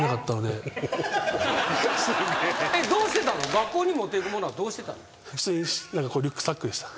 学校に持っていく物はどうしてたの？